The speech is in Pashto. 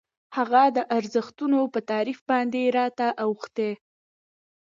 هغه د ارزښتونو په تعریف باندې راته اوښتي.